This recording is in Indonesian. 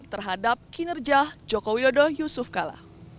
terhadap kinerja joko widodo yusuf kala